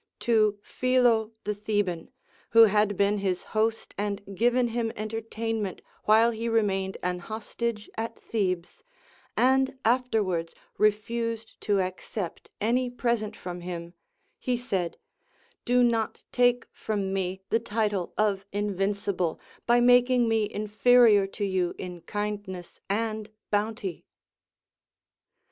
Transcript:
To Philo the Theban, who had been his host and given him entertain ment while he remained an hostage at Thebes, and after Avards refused to accept any present from him, he said : Do not take from me the title of invincible, by making me inferior to you in kindness and bounty.